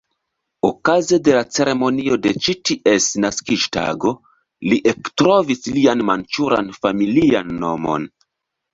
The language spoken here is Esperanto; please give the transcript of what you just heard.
Okaze de la ceremonio de ĉi ties naskiĝtago, li ektrovis lian manĉuran familian nomon.